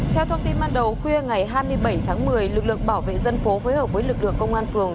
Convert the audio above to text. theo thông tin ban đầu khuya ngày hai mươi bảy tháng một mươi lực lượng bảo vệ dân phố phối hợp với lực lượng công an phường